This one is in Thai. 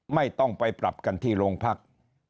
ไม่ต้องไปปรับกันที่โรงพัก